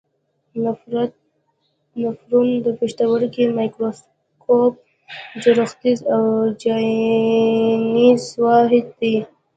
نفرون د پښتورګي میکروسکوپي جوړښتیز او چاڼیز واحد دی.